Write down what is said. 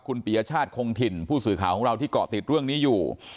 คุณปียชาติคงถิ่นผู้สื่อข่าวของเราที่เกาะติดเรื่องนี้อยู่